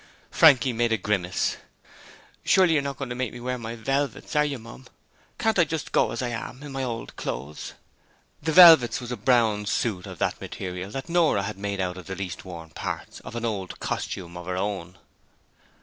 Frankie made a grimace. 'You're surely not going to make me wear my velvets, are you, Mum? Can't I go just as I am, in my old clothes?' The 'velvets' was a brown suit of that material that Nora had made out of the least worn parts of an old costume of her own.